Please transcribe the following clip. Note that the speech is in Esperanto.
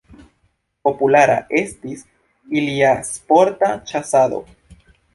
Populara estis ilia sporta ĉasado.